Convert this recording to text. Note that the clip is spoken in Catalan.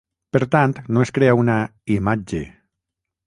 Per tant, no es crea una "imatge".